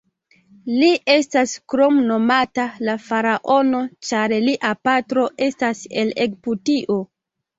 Li estas kromnomata "la faraono", ĉar lia patro estas el Egiptio.